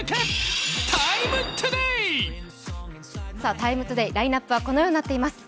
「ＴＩＭＥ，ＴＯＤＡＹ」ラインナップはこのようになっています。